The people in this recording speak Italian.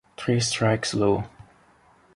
Three strikes law